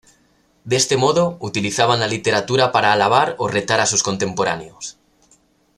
De este modo, utilizaban la literatura para alabar o retar a sus contemporáneos.